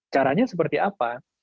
caranya seperti apa